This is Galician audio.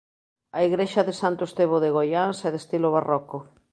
A igrexa de Santo Estevo de Goiáns é de estilo barroco.